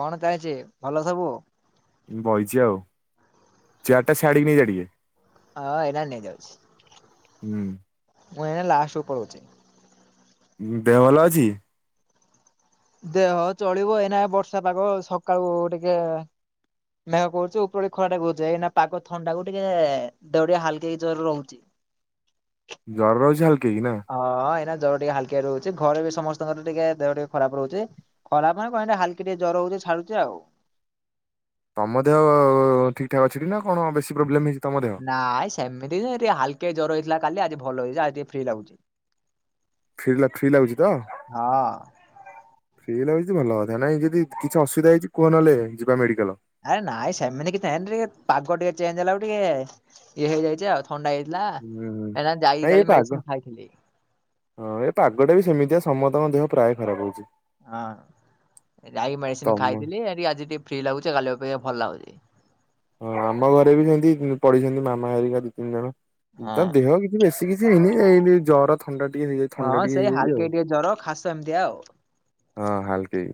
କଣ ଚାହିଁଛି ଭଲ ସବୁ? ବହିଛି ଆଉ ଚେୟାର ଟା ଛାଡିକି ନେଇଜା ଟିକେ। ହଁ ଏନା ନେଇ ଯାଉଛି ମୁଁ ଏନା ଲାଷ୍ଟକୁ ପଳଉଚି। ଦେହ ଭଲ ଅଛି। ଦେହ ଚଳିବ ଏଇନା ବର୍ଷା ପାଗ ସକାଳୁ ଟିକେ ମେହ କରଚୁ ଉପରବେଳେ ଖରା ଟା କୁଜେ ଏ ନା କି ପାଗ ଥଣ୍ଡା କୁ ଟିକେ ଦେହ ଟିକେ ହାଲକେଇ ଜର ରହୁଛି। [unintelligible] ହଁ ଏନା ଜ୍ୱର ଟିକେ ହାଲକେଇ ରହୁଛି। ଘରେ ବି ସମସ୍ତଙ୍କର ଟିକେ ଦେହ ଟିକେ ଖରାପ ରହୁଛି ଖରାପ ମାନେ କଣ ହାଲକେଇ ଟିକେ ଜର ହଉଛି ଛାଡୁଛି ଆଉ। ତମ ଦେହ ଠିକ ଠା ଅଛି କି ନା କଣ ବେଶୀ ପ୍ରୋବ୍ଲେମ ହେଇ ନାଇଁ ସେମିତି ହାଲକେଇ ଜର ହେଇଥିଲା କାଲି ଆଜି ଭଲ ହେଇଛି ଆଜି ଫ୍ରି ଲାଗୁଛି। ଫି ଲା ଫ୍ରି ଲାଗୁଛି ତ ହଁ ଫ୍ରି ଲାଗୁଛି ତ ଭଲ ନା ନାଇଁ ଯଦି କିଛି ଅସୁବିଧା ହେଇଛି କୁହ ନହେଲେ ଯିବା ମେଡ଼ିକଲ। ଆରେ ନାଇଁ ସେମିତି କିଛି ନାଇଁ ଏମିତି ଟିକେ ପାଗ ଟିକେ ଚେଞ୍ଜ ହେଲା ଆଳ ଟିକେ ଇଏ ହେଇଯାଇଛି ଆଉ। ଥଣ୍ଡା ହେଇଥିଲା ହୁଁ ଏନା ଯାଇକି ନାଇଁ ଏ କାଲି ପାଗ ମେଡିସିନ ଖାଇଥିଲି। ହଁ ଏ ପାଗଟା ବି ସେମିତିଆ ସମସ୍ତଙ୍କ ଦେହ ପ୍ରାୟ ଖରାପ ହଉଛି। ହଁ ଯାଇ ମେଡିସିନ ତମ ଖାଇଥିଲି ଆ ଆଜି ଟିକେ ଫ୍ରି ଲାଗୁଛି କାଲି ଅପେକ୍ଷା ଭଲ ଲାଗୁଛି। ହଁ ଆମ ଘରେ ବି ସେମିତି ପଢିଛନ୍ତି ମାମା ହେରିକା ଦି ତିନି ଜଣ। ତା ହଁ। ଦେହ କିଛି ବେଶୀ କିଛି ଏଇନି ଏ ଜର ଥ ଥଣ୍ଡା ଟିକେ ହେଇଯାଇ ଥଣ୍ଡା ହଁ ଟିକେ ସେଇ ହେଇଯାଇଛି ଆଉ ହାଲକେଇ ଟିକେ ଜର ଖାସ ଏମିତିଆ ଆଉ। ହଁ ହାଲକେଇ।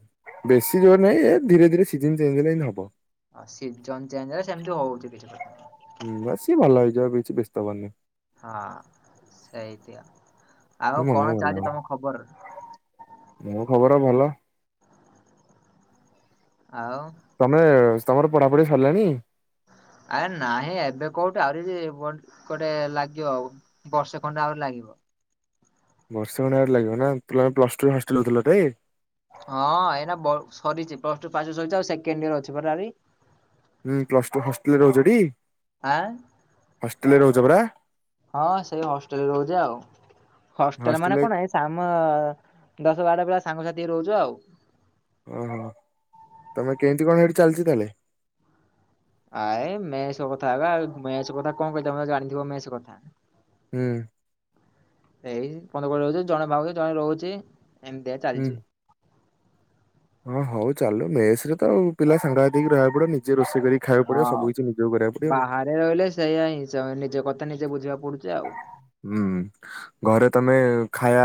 ବେଶୀ ଜୋର ନାହିଁ ଏ ଧୀରେ ଧୀରେ ସିଜିନ ଚେଞ୍ଜ ହେଲେ ଏମତି ହବ। ଆ ସିଜନ୍ ଚେଞ୍ଜ ହେଲେ ସେମିତି ହଉଛି କିଛି କତା ନାହିଁ। ହୁଁ ବା ସିଏ ଭଲ ହେଇଯିବା କିଛି ବ୍ୟସ୍ତ ହେବାର ନାଇ। ହଁ ସେଇ ତିଅ। ଆଉ ମନକୁ କଣ ଭଲ ଚାଲିଛି ହବ ତମ ଖବର? ମୋ ଖବର ଭଲ। ଆଉ ତମେ ତମର ପଢ଼ାପଢ଼ି ସରିଲାଣି? ଆରେ ନାହିଁ ଏବେ କୋଉଠୁ ଆହୁରି ଯେ ବଟ ଗୋଟେ ଲାଗିବ ଆଉ ବର୍ଷେ ଖଣ୍ଡେ ଆହୁରି ଲାଗିବ, ବର୍ଷେ ଖଣ୍ଡେ ଆହୁରି ଲାଗିବ ନା ପ୍ଲ ପ୍ଲସ ଟୁ ହଷ୍ଟେଲେ ରହୁଥିଲ ତ ଏ ହଁ ଏଇନା ବର୍ ସରିଛି ପ୍ଲସ ଟୁ ଫାଷ୍ଟ୍ ଟିୟର୍ ସରିଛି ଆଉ ସେକେଣ୍ଡ ଡିୟର ଅଛି ପରା ଆହୁରି, ହୁଁ ପ୍ଲସ ଟୁ ହଷ୍ଟେଲରେ ରୁ ରହୁଛ ଠି, ଆଁ ପରା ହଁ ସେଇ ହଷ୍ଟେଲରେ ରହୁଛି ଆଉ, ହଷ୍ଟେଲ ମାନେ ହଷ୍ଟେଲରେ କଣ ହେଇ ସାମ ଦଶ ବାର ବେଳେ ସାଙ୍ଗସାଥି ରହୁଛୁ ଆଉ, ଓହୋ, ତମେ କେମିତି କଣ ହେଇଠି ଚାଲିଚ ତାହେଲେ? ଆଏ ମେଷ କଥା ବା ମେଷ କଥା କଣ କହିବି ଜାଣିଥିବ ମେଷ କଥା, ହୁଁ, ଏଇ ପନ୍ଦର କ ରହୁଛି ଜଣେ ବହୁଛି ଜଣେ ରହୁଛି ଏମିତିଆ ହୁଁ। ଚାଲିଛି। ହଁ ହଉ ଚାଲୁ ମେସରେ ତଉ ପିଲା ସାଙ୍ଗଘାତିକି ରହିବା ପଡ଼ିବ ନିଜେ ରୋଷେ ରୋଷେଇ କରିକି ଖାଇବାକୁ ପଡ଼ିବ ସବୁ ହଁ କିଛି ନିଜକୁ କରିବାକୁ ପଡ଼ିବ ଆଉ, ତା ନିଜେ ବୁଝିବା, ହୁଁ ଘରେ, ତମେ ଖାଇବା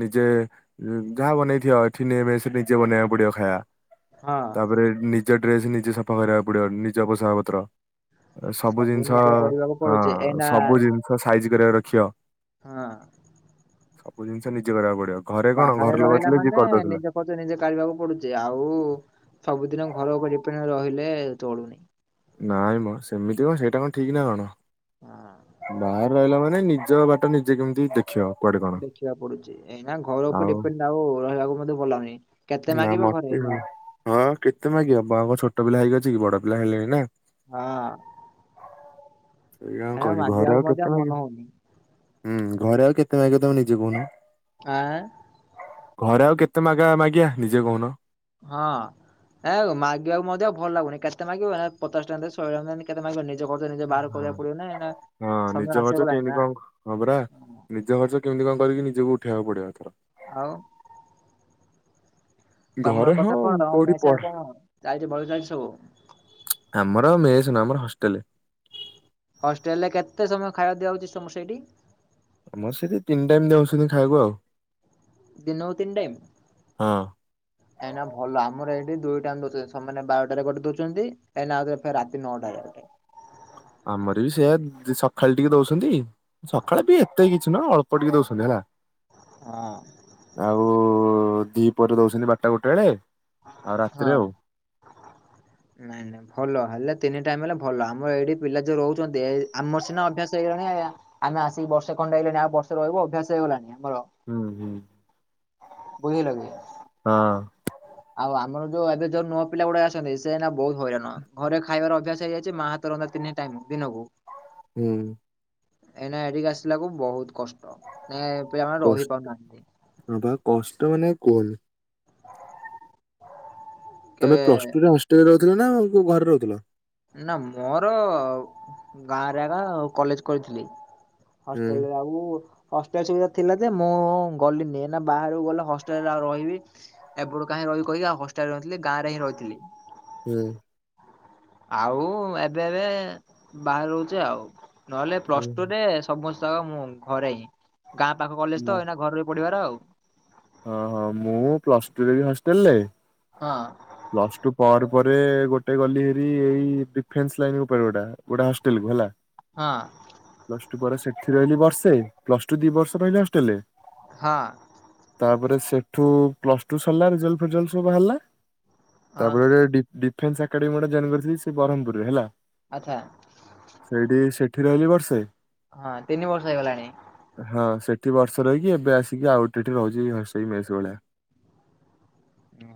ନିଜେ ଯାହା ବନେଇଥିବ ଏଠି ନେ ଏବେ ସେ ନିଜେ ବନେଇବାକୁ ପଡ଼ିବ ଖାଇବା, ହଁ ତାପରେ ନିଜ ଡ୍ରେସ ନିଜେ ସଫା କରିବାକୁ ପଡ଼ିବ ନିଜ ପୋଷାକ ପତ୍ର, ସବୁ ଜିନିଷ ନିଜେ କରିବାକୁ ହଁ ପଡୁଛି ଏଇନା ସବୁ ଜିନ ହଁ ସାଇଜ କରିବାକୁ ରଖିବ ହଁ। ସବୁ ଜିନିଷ ନିଜେ କରିବାକୁ ପଡ଼ି ବାହାରେ ରହିଲା ମାନେ ନିଜେ ଖଚ ନିଜେ କାଢ଼ିବାକୁ ପଡ଼ୁଛି ଆଉ, ସବୁଦିନ ଘର ଉପରେ ଡିଫେଣ୍ଡର ରହିଲେ ଚଳୁନି। ନାଇଁ ମ ସେମିତି କଣ ସେଇଟା କଣ ଠିକ୍ ନା କଣ ହଁ। ବାହାରେ ରହିଲା ମାନେ ନି ଜ ବାଟ ନିଜେ କେମିତି ଦେଖ୍ ଦେଖିବାକୁ ପଡ଼ୁଛି ଏଇନା ଘର ଉପରେ ଡିପେଣ୍ଡ ଆଉ ରହିବାକୁ ମଧ୍ୟ ଭଲଉନି କେତେ ନା ମାଗିବ, ମତେ ଘରେ ନା, ହଁ କେତେ ମାଗିବ ବାଆଙ୍କ ଛୋଟ ପିଲା ହେଇକି ଅଛି କି ବଡ଼ ପିଲା ହେଇଲେଣି ନା, ହଁ, ଏଇଆ ଆଉ ଏଇନା କହିଲ ଘରେ ମାଗିବାକୁ ଆଉ ମଧ୍ୟ କେତେ ମନ ମାଗିବ, ହଉନି। ହୁଁ ଘରେ ଆଉ କେତେ ମାଗିବ ତମେ ନିଜେ କହୁନା? ଆଏଁ, ଘରେ ଆଉ କେତେ ମାଗାଳା ମାଗିବା ନିଜେ କହୁନ? ହଁ। ଏଁ ମାଗିବାକୁ ମଧ୍ୟ ଭଲ ଲାଗୁନି କେସଟା ମାଗିବ ପଚାଶ ଟଙ୍କା ଦେ ଶହେ ଟଙ୍କା ଦେ କେତେ ମାଗିବ ନି ଜେ ଖର୍ଚ ନିଜେ ବାହାର ହଁ। କରିବାକୁ ପଡ଼ିବନା ଏଇ ନା ହଁ ସମୟ ନିଜ ଖର୍ଚ୍ଚ ଆସିଗଲାଣି କେମିତି ନା କ ହଁ ପରା ନିଜ ଖର୍ଚ୍ଚ କେମିତି କଣ କରିକି ନିଜକୁ ଉଠେଇବାକୁ ପଡ଼ିବ ଏଥର? ଆଉ? ତମର ଘରେ ହଁ କଥା କଣ ତମ କୋଉଠି ମେସ୍ ଆଡେ ପଢ଼ା କଣ ଚାଲିଛି ଭଲ ଚାଲିଛି ସବୁ? ଆମର ମେଷ ନୁହଁ ଆମର ହଷ୍ଟେଲ। ହଷ୍ଟେଲରେ କେତେ ସମୟ ଖାଇବା ଦିଆଉଛି ସମସ୍ତିଙ୍କି? ଆମର ସେଇଠି ତିନି ଟାଇମ ଦଉଛନ୍ତି ଖାଇବାକୁ ଆଉ। ଦିନୋକୁ ତିନ୍ ଟାଇମ୍? ହଁ। ଏଇ ନା ଭଲ ଆମର ଏଇଠି ଦୁଇ ଟାଇମ ଦଉଛନ୍ତି ସମାନେ ବାରଟାରେ ଗୋଟେ ଦଉଛନ୍ତି ଏଉ ରାତି ନଅଟାରେ ଗୋଟେ। [inaudible] ଆମର ବି ସେଆ ସକାଳେ ଟିକେ ଦଉଛନ୍ତି ସକାଳେ ବି ଏତେ କିଛି ନ ଅଳ୍ପ ଟିକେ ଦଉଛନ୍ତି ହେଲା। ହଁ ଆଉ ଦି ପହରେ ଦଉଛନ୍ତି ବାରଟା ଗୋଟେ ବେଳେ। ଆଉ ହଁ ରାତିରେ ଆଉ। ନାଇଁ ନାଇଁ ଭଲ ହେଲେ ତିନି ଟାଇମ ହେଲେ ଭଲ ଆମର ଏଇଠି ପିଲା ଯୋଉ ରହୁଛନ୍ତି ଆମର ସିନା ଅଭ୍ୟାସ ହେଇଗଲାଣି ଆମେ ଆସିକି ବର୍ଷେ ଖଣ୍ଡେ ତେଣୁ ବର୍ଷ ରହିବ ଅଭ୍ୟାସ ହେଇଗଲାଣି ଆମର ହୁଁ ହୁଁ ବୁଝିଲ କି? ହଁ। ଆଉ ଆମର ଯୋଉ ଏବେ ଯୋଉ ନୂଆ ପିଲା ଗୁଡେ ଅଛନ୍ତି ସେ ନା ବହୁତ ହଇରାଣ ଘରେ ଖାଇବାର ଅଭ୍ୟାସ ହେଇଯାଇଛି ମା ହାତ ରନ୍ଧା ଟାଇମ ଦିନକୁ। ହୁଁ। ଏଇନା ଏଇଠି କି ଆସିଲା ବେଳକୁ ବହୁତ କଷ୍ଟ। ଏ ପିଲାମାନେ ରହି କଷ୍ଟ ପାରୁନାହାନ୍ତି ଆବା କଷ୍ଟ ମାନେ କୁହନି। କେ ତମେ ପ୍ଲସ ଟୁ ରେ ହଷ୍ଟେଲ ରେ ରହୁଥିଲ ନା କୋଉ ଘରେ ରହୁଥିଲ? ନା ମୋର ଗାଁରେ ଆ କଲେଜ କରିଥିଲି। ହୁଁ ହଷ୍ଟେଲରେ ଆଉ। ହଷ୍ଟେଲ ସୁବିଧା ଥିଲା ଯେ ମୁଁ ଗଲିନି ଏ ବାହାରକୁ ଗଲେ ହଷ୍ଟେଲ ରେ ଆଉ ରହିବି ଏପଟୁ କାଇଁ ରହି କହିକି ଆଉ ହଷ୍ଟେଲରେ ନଥିଲି ଗାଁ ରେ ହିଁ ଥିଲି। ହୁଁ। ଆଉ ଏବେ ଏବେ ବାହାରୁଛି ଆଉ। ନହେଲେ ପ୍ଲସ ଟୁ ହୁଁ। ରେ ସମସ୍ତେ ଆ ମୁଁ ଘରେ ଗାଁ ପାଖ କଲେଜ ମୁଁ ତ ଏନା ଘର ପଢିବାର ଆଉ। [inaudible] ହଁ ହଁ ମୁଁ ପ୍ଲସ ଟୁ ରେ ବି ହଷ୍ଟେଲ ରେ। ହଁ। ପ୍ଲସ ଟୁ ପରେ ପରେ ଗୋଟେ ଗଲି ହେରି ଏଇ ଡିଫେନ୍ସ ଲାଇନ ଉପରେ ଗୋଟେ ଗୋଟେ ହଷ୍ଟେଲ କୁ ହେଲା। ହଁ ପ୍ଲସ ଟୁ ପରେ ସେଠି ରହିଲି ବର୍ଷେ ପ୍ଲସ ଟୁ ଦି ବର୍ଷ ରହିଲି ହେଷ୍ଟେଲରେ। ହଁ। ତାପରେ ସେଠୁ ପ୍ଲସ ଟୁ ସରିଲା ଫ ସବୁ ବାହାରିଲା ହଁ ତାପରେ ଏକାଡେମୀ ଗୋଟେ ଜେନ କରିଥିଲି ସେ ବ୍ରହ୍ମପୁରରେ ହେଲା ଆଚ୍ଛା ସେଇଠି ଇଠି ରହିଲି ବର୍ଷେ। ହଁ ତିନି ବର୍ଷ ହେଇଗଲାଣି। ପ୍ରତି ବର୍ଷ ରହିକି ଏବେ ଆସିକି ଆଉ ଗୋଟେ ଏଠି ରହୁଛି ଏ ରୋହୁଛି ମେଷ ଭଳିଆ।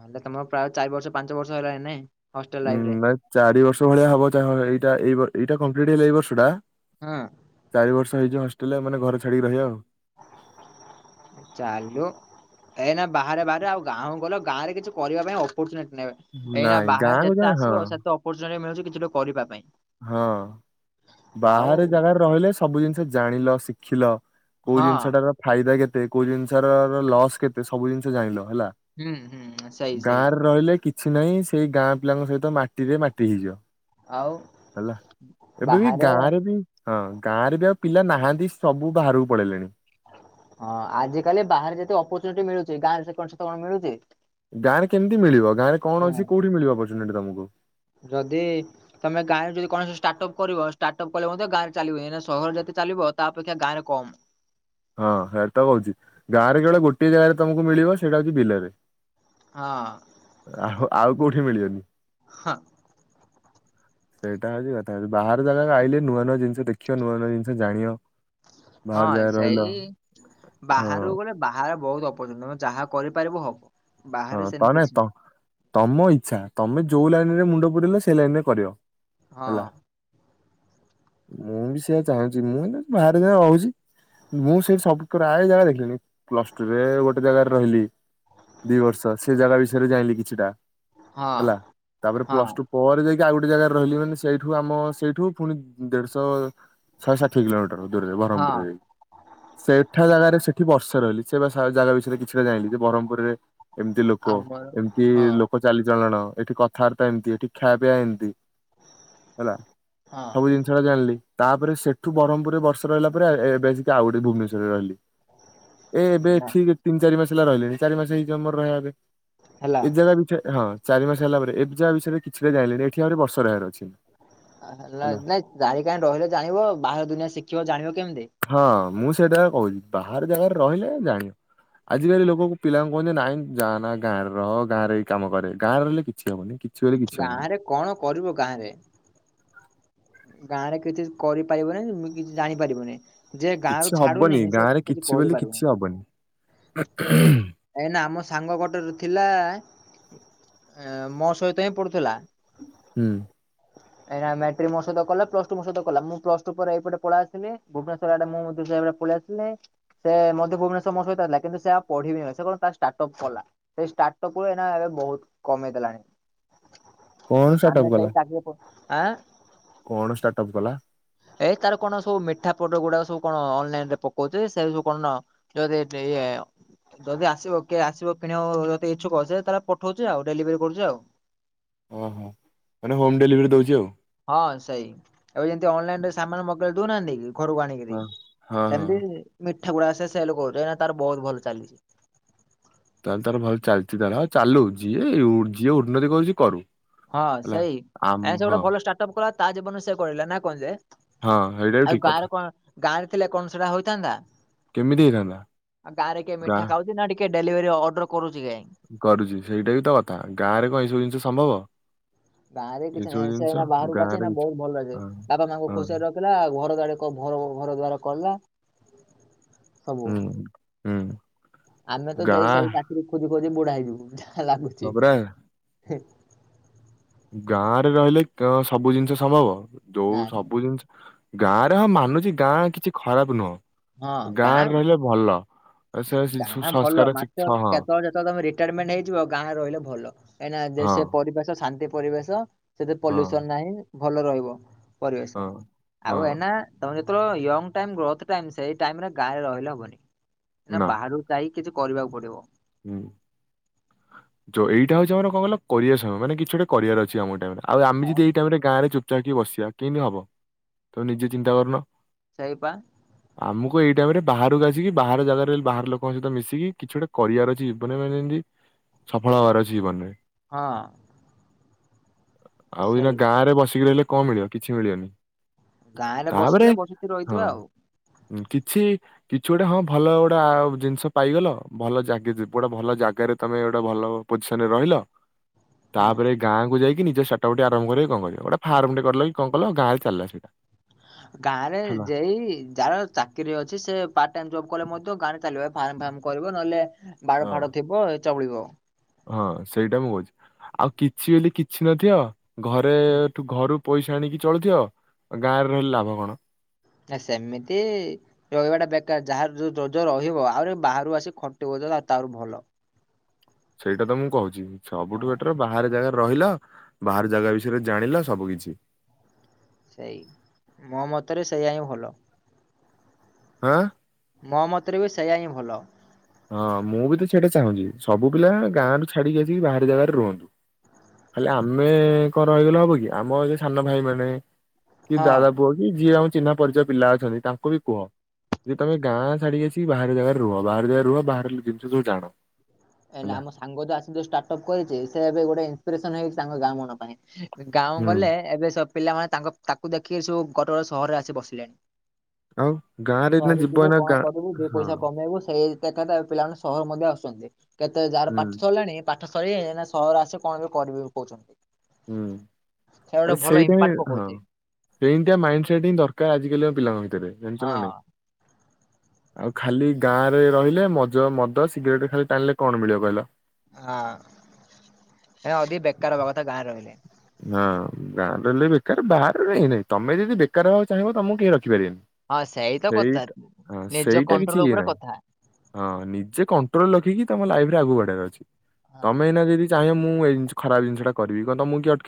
ହେଲେ ତମର ପ୍ରାୟ ଚାରି ବର୍ଷ ପାଞ୍ଚ ବର୍ଷ ହେଲାଣି ନାଇଁ। ହଷ୍ଟେଲ ଉଁ ଲାଇଫରେ ନାଇଁ ଚାରି ବର୍ଷ ଭଳିଆ ହବ ଏଇଟା ଏଇ ଏଇଟା କମ୍ପ୍ଲିଟ ହେଇଗଲେ ଏଇ ବର୍ଷ ଟା। ହଁ। ଇଏ ଯୋଉ ହଷ୍ଟେଲ ମାନେ ଘର ଛାଡିକି ରହିବା ଆଉ ଚାଲୁ ଏନା ବାହାରେ ବାହାରେ ଆଉ ଗାଁକୁ ଗଲେ ଗାଁ ରେ କିଛି କରିବା ପାଇଁ ଅପର୍ଚୁନିଟି ନେବେ ଏଇନା ନାଇଁ ବାହାରେ ଗାଁକୁ ଯେତେ ଯାଇ ହଁ ଆସିବ ସେତେ ଅପରଚୁନିଟି ଜିନିଷ ଟା ମିଳୁଛି କରିବା ପାଇଁ। ହଁ ଆଉ ବାହାରେ ଜାଗାରେ ରହିଲେ ସବୁ ଜିନିଷ ଜାଣିଲ ଶିଖିଲ। କୋଉ ହଁ ଜିନିଷଟାର ଫାଇଦା କେତେ କୋଉ ଜିନିଷ ର ଲସ୍ କେତେ ସବୁ ଜିନିଷ ଜାଣିଲ? ହେଲା ହୁଁ ହୁଁ ସେଇ ସେଇ। ଗାଁରେ ରହିଲେ କିଛି କିଛି ନାହିଁ ସେଇ ଗାଁ ପିଲାଙ୍କ ସହିତ ମାଟିରେ ମାଟି ହେଇଯିବ। ଆଉ ହେଲା ଏବେ ବି, ବାହାରେ ଗାଁରେ ବି, ହଁ ଗାଁରେ ବି ପିଲା ନାହାନ୍ତି ସବୁ ବାହାରକୁ ପଳେଇଲେଣି। ହଁ ଆଜି କାଲି ବାହାରେ ଯେତେ ଅପରଚୁନିଟି ମିଳୁଛି ଗାଁରେ କଣ ସତ କଣ ମିଳୁଛି? ଗାଁ ରେ କେମିତି ମିଳିବ, ଗାଁରେ ହଁ କଣ ଅଛି କୋଉଠି ମିଳିବ ଅପର୍ଚୁନି ତମକୁ? ଯଦି ତମେ ଗାଁରେ ଯଦି କୌଣସି ଷ୍ଟାର୍ଟ ଅପ୍ କରିବ ଷ୍ଟାର୍ଟ ଅପ୍ କଲେ ମଧ୍ୟ ଗାଁରେ ଚାଲିବ ସହର ଯ ଚାଲିବ, ତା ଅପେକ୍ଷା ଗାରେ କମ। ହଁ ହେରାତ କହୁଛି ଗାଁ ରେ କେବଳ ଗୋଟେ ଜାଗାରେ ତମକୁ ମିଳିବ ସେଇଟା ହଉଛି ବିଲରେ ହଁ ଅଁ ଆଉ ଆଉ କୋଉଠି ମିଳିବନି? ହଁ ସେଇଟା ହଉଛି କଥା, ହଉଛି ବାହାର ଜାଗାକୁ ଆଇଲେେ ନୂଆ ନୂଆ ଜିନିଷ ଦେଖଅ ନୂଆ ନୂଆ ଜିନିଷ ଜାଣଅ। ହଁ ବାହାର ଯାଏ ସେଇ ରହିଲା। ବାହାରକୁ ଗଲେ, ବାହାରେ ବହୁତ ଅପଚ ତମେ ଯାହା କରିପାରିବ ହବ। ହଁ ବାହାରେ ସେମିତି ତମେ କିଛି ତ ନାହିଁ। ତମ ଇଛା ତମେ ଯୋଉ ଲାଇନରେ ମୁଣ୍ଡ ପୁରିଲ ସେ ଲାଇନ ରେ କରିବ। ହଁ ହେଲା। ଅଁ ମୁଁ ବି ସେୟଆ ଚାହୁଁଚି ମୁଁ ଏଇନା ବାହାରେ ଯାଇ ରହୁଛି। ମୁଁ ସେଇଟି ସବୁ ପ୍ରାୟ ଜାଗା ଦେଖିଲିଣି, ପ୍ଲସଟୁ ରେ ଗୋଟେ ଜାଗାରେ ରହିଲି। ଦି ବର୍ଷ ସେ ଜାଗା ବିଷୟରେ ଜାଇଁଲି କିଛିଟା ହେଲା, ହଁ ତାପରେ ହଁ ପ୍ଲସ ଟୁ ପରେ ଯାଇକି ଯେ ଆଉ ଗୋଟେ ଜାଗାରେ ରହିଲି ମାନେ ସେଇଠୁ ଆମ ସେଇଠୁ ପୁଣି ଦେଢଶହ ଶହେ ଷାଠିଏ କିଲୋମିଟର ଦୂରରେ ହଁ ବ୍ରହ୍ମପୁରରେ ସେଇଠା ଜାଗାରେ ସେଠ ଏଠି ବର୍ଷେ ରହିଲି ସେ ବା ଜାଗା ବିଷୟରେ କିଛିଟା ଜାଇଁଲି ବରମପୁରରେ ଏମିତି ଲୋକ, ଆମର ଏମିତି ହଁ ଇ ଲୋକ ଚାଲିଚଳଣ, ଏଠି କଥାବାର୍ତ୍ତା ଏମିତି, ଏଠି ଖାଇବା ପିଇବା ଏମିତି। ହେଲା, ହଁ ସବୁ ଜିନିଷ ରା ଜାଣିଲି। ତାପରେ ସେଠୁ ବରମ୍ ପୁରରେ ବର୍ଷେ ରହିଲା ପରେ ଏବେ ଆସିକି ଆଉ ଗୋଟେ ଭୁବନେଶ୍ୱରରେ ରହିଲି। ଏ ଏବେ ନା ଠିକ୍ ତିନି ଚାରି ମାସେ ହେଲା ରହିଲେଣିି ଚାରି ମାସେ ହେଇଯିବ ମୋର ରହିବା ଏବେ। ହେଲା ଏ ଜାଗା ବିଚାରେ ହଁ ଚାରି ମାସେ ହେଲା ପରେ ଏବେ ଜାଗା ବିଷୟରେ କିଛିଟା ଜାଣିଲିନି ଏଠି ଆହୁରି ବର୍ଷେ ରହିବାର ଅଛି। ହଁ ହେଲା ନାଇଁ ଜାଣି କାହିଁ ରହିଲେ ଜାଣିବ ବାହାର ଦୁନିଆ ଶିଖିବ ଜାଣିବ କେମତି? ହଁ ମୁଁ ସେଇଟା କହୁଛି ବାହାର ଜାଗାରେ ରହିଲେ ଜାଣିବ ଆଜିକାଲି ଲୋକଙ୍କୁ ପିଲାଙ୍କୁ କହନ୍ତି ନାଇଁ ଯାଆନା ଗାଁରେ ରହ ଗାଁରେ ରହିକି କାମ କରେ ଗାଁ ରହିଲେ କିଛି ହବନି କି ଗାଁ ରେ କଣ କରିବ ଗାଁ ରେ? ଗାଁ ରେ କିଛି କରିପାରିବନି, ଏମି କିଛି ଜାଣିପାରିବନି। ଯେ କିଛି ଗାଁରୁ ଛାଡୁନି, ହବନି ସେ ଗାଁରେ କିଛି ବୋଲି କିଛି କରିପାରୁନି। ହବନି ଏ ଏଇନା ଆମ ସାଙ୍ଗ ଗୋଟେରେ ଥିଲା ଏ ମୋ ସହିତ ହିଁ ପଡୁଥିଲା। ହୁଁ ଉଁ ଏନା ଆମେ ପ୍ଲସ୍ ଥ୍ରୀ ମୋ ସହିତ କଲା ପ୍ଲସ୍ ଟୁ ମୋ ସହିତ କଲା ମୁଁ ପ୍ଲସଟୁ ପରେ ଏଇ ପଟେ ପଳେଇ ଆସିଲି ଭୁବନେଶ୍ୱର ଆଡେ ମୁଁ ସେଇ ଟାଇମ୍ ରେ ପଳେଇ ଆସିଲି। ସେ ମଧ୍ୟ ଭୁବନେଶ୍ୱର ମୋ ସହିତ ଆସିଲା କିନ୍ତୁ ସେ ଆଉ ପଢିବିନାହିଁ ସେ କଣ ଷ୍ଟାର୍ଟ ଅପ୍ କଲା, ସେ ଷ୍ଟାଟଅପ୍ କୁ ତା ଏବେ ବହୁତ୍ କମେଇ ଦେଲାଣି, କଣ ଷ୍ଟାର୍ଟଅପ୍ ଆମେ ସେଇ କଲା ଚାକିରି କରୁ ଆଁ କଣ ଷ୍ଟାର୍ଟ ଅପ୍ କଲା? ଏଇ ତାର କଣ ସବୁ ମିଠା ପଦ ଗୁଡାକ ସବୁ କଣ ଅନଲାଇନ୍ ରେ ପକଉଛି ସେ ସବୁ କଣ ଯଦି ଦେଇଏ ଯଦି ଆସିବ, କିଏ ଆସିବ କିଣିବ? ଯଦି ଇଛୁକ ସେ ତାହେଲେ ପଠଉଛି ଆଉ ଡେଲିଭରି କରୁଛି ଆଉ ଓହୋ, ମାନେ ହୋମ୍ ଡେଲିଭରି ଦଉଛି ଆଉ। ହଁ ସେଇ, ଏବେ ଯେମିତି ଅନଲାଇନରେ ସାମାନ୍ ମଗେଇ ଦଉନାହାନ୍ତି କି? ଘରକୁ ଆଣିକିରି ହଁ ହଁ ହଁ ସେମତି ମି ଠାଗୁଡା ସେ ସେଲ୍ କରୁ, ଏଇନା ତାର ବହୁତ ଭଲ ଚାଲିଛି। ତାହେଲେ ତାର ଭଲ ଚାଲିଚି ତାହେଲେ ଆଉ ଚାଲୁ ଯିଏ ଯିଏ ଉନ୍ନତି କରୁଛି କରୁ। ହଁ ହେଲା ସେଇ, ଆମ ଆଜ୍ଞା ସେ ଗୋଟେ ହଁ ଭଲ ଷ୍ଟାର୍ଟ ଅପ୍ କଲା ତା ଜୀବନ ସେ କରିଲା ନା କଣ ଯେ? ହଁ ସେଇଟା ବି ଆଉ ଠିକ କଥା ଗାଁରେ କଣ ଗାଁରେ ଥିଲେ କଣ ସେଇଟା ହୋଇଥାନ୍ତା? କେମିତି ହେଇଥାନ୍ତା ଆଉ ଗାଁରେ କିଏ ଗାଁ ମିଠା ଖାଉଛି ନା ଟିକେ ଡେଲିଭରି ଅର୍ଡର କରୁ କରୁଛି ସେଇଟା ବି ତ କଥା ଗାଁ ରେ କଣ ଏ ସବୁ ଜିନିଷ ସମ୍ଭବ? ଗାଁ ରେ ଏଇ କିଛି ସବୁ ନାହିଁ ସେ ଜିନିଷ ଏଇନା ବାହାରକୁ ଆଛି ଗାଁରେ ଏଇନା କିଛି ବହୁତ ଭଲ ଅଛି ହଁ ବାପା ମାଆଙ୍କୁ ହଁ। ଖୁସିଆରେ ରଖିଲା ଆଉ ଘର ଗାଡି କ ଘର କୁ ଘର ଦ୍ଵାର କଲା। ସବୁ ହୁଁ ହୁଁ ଆମେ ତ ଜେଇ ଗାଁ ସେଇ ଚାକିରି ଖୋଜୁ [unintelligible] ବୁଢା ହେଇଯିବୁ ଯାହା ହଁ ଲାଗୁଛି ପରା ହେଁ। ଗାଁ ରେ ରହିଲେ କ ସବୁ ଜିନିଷ ସମ୍ଭବ ଯୋଉ ନା ନା ସବୁ ଜିନିଷ ଗାଁ ରେ ହଁ ମାନୁଛି ଗାଁ କିଛି ଖରାପ ନୁହଁ ହଁ ଗାଁ ଗାଁରେ ରହିଲେ ଭଲ। ଆଉ ସେ ସେ ସୁ- ଗାଁ ଭଲ ସଂସ୍କାର ମାତେ ଶିକ୍ଷା ହଁ କେତଳେ ତ ତମେ ରିଟାୟାରମେଣ୍ଟ ନେଇଯିବ ଗାଁରେ ରହିଲେ ଭଲ କାହିଁକି ନା ଯେ ହଁ ସେ ପରିବେଶ ଶାନ୍ତି ପରିବେଶ ସେଥିରେ ହଁ ପଲ୍ୟୁସନ ନାହିଁ ଭଲ ରହିବ। ପରିବେଶ ହଁ। ଆଉ ହଁ ଏନା ତମେ ତ୍ର ୟଙ୍ଗ୍ ଟାଇମ୍ ଗ୍ରୋଥ୍ ଟାଇମ୍ ସେଇ ଟାଇମ୍ ରେ ଗାଁରେ ହବନି ନା ବାହାରୁ ଯାଇ କିଛି କରିବାକୁ ପଡିବ। ହୁଁ। ଯୋଉ ଏଇଟା ହଉଛି ଆମର କଣ କହିଲ କରିବା ସମୟ ମାନେ କିଛି ଗୋଟେ କରିବାର ଅଛି ଆମକୁ ଏ ଟାଇମ୍ ରେ। ଆଉ ଆମେ ଯଦି ଏଇ ଟାଇମ ରେ ଗାଁ ରେ ଚୁପଚାପି ବସିବା କେମିତି ହବ ତମେ ନିଜେ ଚିନ୍ତା କରୁନ? ସେଇପା। ଆମକୁ ଏଇ ଟାଇମ ରେ ବାହାରକୁ ଆସିକି ବାହାର ଜାଗାରେ ବାହାର ଲୋକଙ୍କ ସହିତ ମିଶିକି କିଛି ଗୋଟେ କରିବାର ଅଛି ଜୀବନରେ ମାନେ ଯେମିତି ସଫଳ ହବାର ଅଛି ଜୀବନରେ। ହଁ। ଆଉ ଏଇକିନା ସେଇ ଗାଁ ରେ ବସିକି ରହିଲେ କଣ ମିଳିବ କିଛି ମିଳିବନି। ଗାଁରେ ତାପରେ ବସିଥିଲେ ବସିିକି ହଁ ରହିଥିବା ଆଉ। ଉଁ କିଛି କିଛି ଗୋଟେ ହଁ ଭଲ ଆ ଗୋଟେ ଜିନିଷ ପାଇଗଲ ଭଲ ଜାଗିଜି ପୁଅ ଟା ଭଲ ଜାଗାରେ ତମେ ଗୋଟେ ଭଲ ପୋଜିସନ ରେ ରହିଲ। ହୁଁ ତାପରେ ଗାଁକୁ ଯାଇକିନି ସେଟା [unintelligible] ଆରମ୍ଭ କରିବ କଣ କରିବ ଗୋଟେ ଫାର୍ମ ଟେ କଲ କି କଲ ଗାଁରେ ଥିଲା ସେଟା ଗାଁ ରେ ଜେଇ ଯାହାର ଚାକିରି ଅଛି ସେ ପାର୍ଟ ଟାଇମ ଜବ କଲେ ମଧ୍ୟ ଗାଁରେ ଚାଲିବା ଫାର୍ମ ଫାର୍ମ କରିବ ନହେଲେ ବାଡ଼ ହଁ ଫାଡ ଥିବ ଏଚା ମିଳିବ। ହଁ ସେଇଟା ମୁଁ କହୁଛି ଆଉ କିଛି ବେଲେ କିଛି ନଥିବ ଘରେ ଘରଠୁ ଘରୁ ପଇସା ଆଣିକି ଚଳୁଥିବ ଗାଁରେ ରହିଲେ ଲାଭ କଣ? ନା ସେମିତି ରହିବା ଟା ବେକାର ଯାହାର ଯୋଉ ଯୋଜ ରହିବ ଆହୁରି ବାହାରୁ ଆସି ଖଟିିବ। [unintelligible] ତାର ଭଲ। ସେଇଟା ତ ମୁଁ କହୁଛି ହଁ। ସବୁଠୁ ବେଟର ବାହାରେ ଜାଗାରେ ରହିଲ ବାହାର ଜାଗା ବିଷୟରେ ଜାଣିଲ ସବୁ କିଛି ସେଇ ମୋ ମତରେ ସେୟା ହିଁ ଭଲ। ଆଁ। ମୋ ମତରେ ବି ସେଇୟା ହିଁ ଭଲ। ହଁ ମୁଁ ବି ତ ସେଇଟା ଚାହୁଁଛି ସବୁ ପିଲା ଗାଁରୁ ଛାଡିକି ଆସିକି ବାହାର ଜାଗାରେ ରୁହନ୍ତୁ। ଖାଲି ଆମେ କଣ ରହିଗଲେ ହବ କି ଆମ ଏ ସାନ ଭାଇ ମାନେ କି ହଁ। ଦାଦା ପୁଅ କି ଯିଏ ହଉ ଚିହ୍ନା ପରିଚୟ ପିଲା ଅଛନ୍ତି ତାଙ୍କୁ ବି କୁହ ଯେ ତମେ ଗାଁ ଛାଡିକି ଆସି ବାହାର ଜାଗାରେ ରୁହ ବାହାର ଜାଗାରେ ରୁହ ବାହାର ଜିନିଷ ସବୁ ଜାଣ। ହେଲେ ହେଲା ଆମ ସାଙ୍ଗ ଯ ଯୋଉ ଷ୍ଟାର୍ଟ ଅପ୍ କରିଛି ସେ ଏବେ ଗୋଟେ ଇସପିରେସନ ହେଇଛି ସାଙ୍ଗ ଗାଁ ମାନଙ୍କ ପାଇଁ। ଗାଁକୁ ହୁଁ ଗଲେ ଏବେ ସବୁ ପିଲାମାନେ ତାଙ୍କ ତାକୁ ଦେଖିକି ସବୁ ଗୋଟ ଗୋଟେ ସହରରେ ଆସି ବସିଲେଣି। ଆଉ ଗାଁରେ ଏଇନା ସହର ଯିବ ଯିବୁ ଏଇନା କଣ ଗାଁ କରିବୁ ଦି ହଁ ପଇସା କମେଇବୁ ସେଇ କେତେଟା ପିଲାମାନେ ସହର ମଧ୍ୟ ଆସୁଛନ୍ତି କେତେ ଯାହାର ହୁଁ ପାଠ ସରିଲାଣି ପା ପାଠ ସରିଲାଣି ସହର ଆସେ କଣ ବି କରିବେ କହୁଛନ୍ତି। ହୁଁ। ଗୋଟେ ଆରେ ଭଲ ସେଇଟା ହିଁ ଇମ୍ପାକ୍ଟ ହଁ ପକଉଛି। ସେଇଟା ମାଇଣ୍ଡ ସେଟ୍ ହିଁ ଦରକାର ଆଜିକାଲି ପିଲାଙ୍କ ପାଇଁ। ରେ ଜାଣିଚ ନାଁ ନାଇ ହଁ ଆଉ ଖାଲି ଗାଁ ରେ ରହିଲେ ମଜ ମଦ ସିଗରେଟ ଖାଲି ଟାଣିଲେ କଣ ମିଳିବ କହିଲ ହଁ ଏ ଅଦି ବେକାର ହବା କଥା ଗାଁ ରହିଲେ ହଁ ଗାଁ ରହଲେ ବେକାର ବାହାରାରେ ହେଇ ନହିଁ ତମେ ଯଦି ବେକାର ହକୁ ଚାହିଁବ ତମକୁ କେହି ରଖିବ ଦେଖପାରିବି ହଁ ସେଇ ତ କଥା ସେଇଟା ହ ନିଜ ସେଇଟା କିଛି ଇଏ ଉପରେ ନାହିଁ କଥା ହଁ ନିଜେ କଣ୍ଟ୍ରୋଲ ରଖିକି ତମ ଲାଇଫ ରେ ଆଗକୁ ବଢିବାର ଅଛି ହଁ। ତମେ ଏ ଇନା ଯଦି ଚାହିଁ ମୁଁ ଏ ଖରାପ ଜିନିଷଟା କରିବି କଣ ତମୁଁ କୁ କିଏ ଅ